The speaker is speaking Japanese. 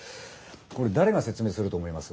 これ誰が説明すると思います？